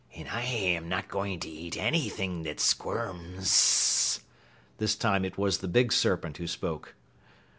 "And I'm not going to eat anything that squirms." This time it was the big serpent who spoke.